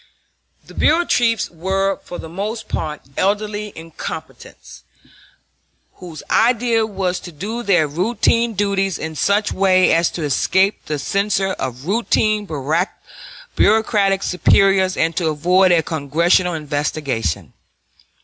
The bureau chiefs were for the most part elderly incompetents, whose idea was to do their routine duties in such way as to escape the censure of routine bureaucratic superiors and to avoid a Congressional investigation.